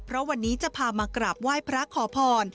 เพราะวันนี้จะพามากราบไหว้พระขอพร